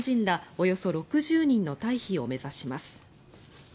およそ６０人の退避を目指します。